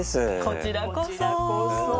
こちらこそ。